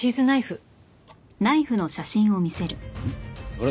あれ？